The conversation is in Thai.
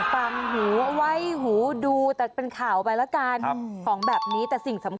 ฟังหูเอาไว้หูดูแต่เป็นข่าวไปแล้วกันของแบบนี้แต่สิ่งสำคัญ